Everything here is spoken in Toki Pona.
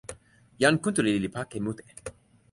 jan Kuntuli li pake mute.